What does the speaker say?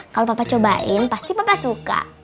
kalau papa cobain pasti papa suka